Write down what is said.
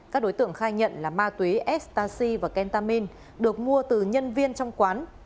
các đối tượng khai nhận là ma túy stacy và kentamin được mua từ nhân viên trong quán